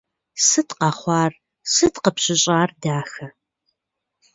Сыт къэхъуар, сыт къыпщыщӏар, дахэ?